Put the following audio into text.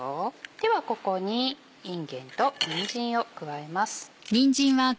ではここにいんげんとにんじんを加えます。